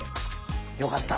よかった。